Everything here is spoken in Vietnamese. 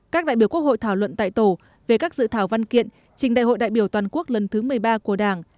các đại biểu quốc hội thảo luận tại tổ về các dự thảo văn kiện trình đại hội đại biểu toàn quốc lần thứ một mươi ba của đảng